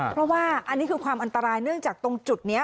เพราะว่าอันนี้คือความอันตรายเนื่องจากตรงจุดนี้